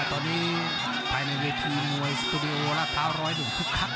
ตอนนี้ไปในวิทยุมวยสตูดิโอและเท้าร้อยดูดคลัก